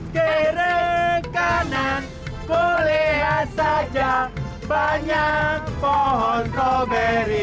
kirekanan kelihat saja banyak pohon strawberry